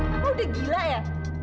pak udah gila ya